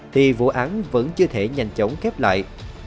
thì vụ án vẫn chưa thể nhanh chóng khép lại